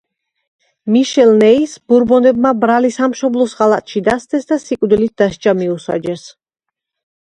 მიშელ ნეის ბურბონებმა ბრალი სამშობლოს ღალატში დასდეს და სიკვდილით დასჯა მიუსაჯეს.